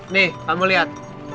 nih kamu lihat